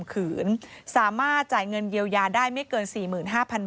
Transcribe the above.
โปรดติดตามต่างกรรมโปรดติดตามต่างกรรม